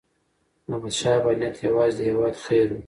داحمدشاه بابا نیت یوازې د هیواد خیر و.